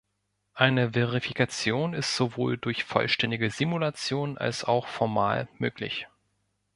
Eine Verifikation ist sowohl durch vollständige Simulation als auch formal möglich.